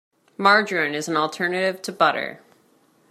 Margarine is an alternative to butter.